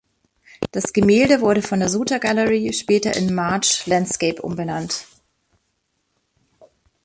Das Gemälde wurde von der Suter Gallery später in "March Landscape" umbenannt.